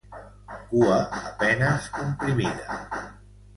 Cua a penes comprimida.